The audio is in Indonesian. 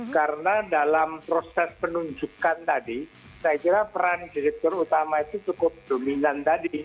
karena dalam proses penunjukkan tadi saya kira peran direktur utama itu cukup dominan